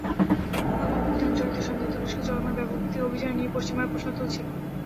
অভ্যুত্থানে জড়িত সন্দেহে তুরস্কে চলমান ব্যাপকভিত্তিক অভিযানের নিয়ে পশ্চিমারা প্রশ্ন তুলেছে।